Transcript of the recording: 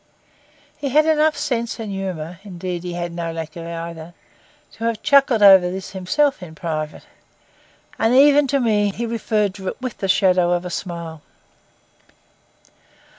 He had enough sense and humour, indeed he had no lack of either, to have chuckled over this himself in private; and even to me he referred to it with the shadow of a smile.